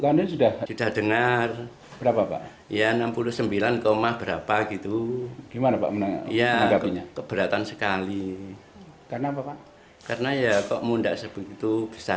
karena ya kok mundak sebegitu besarnya gitu